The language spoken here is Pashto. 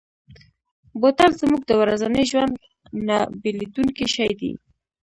بوتل زموږ د ورځني ژوند نه بېلېدونکی شی دی.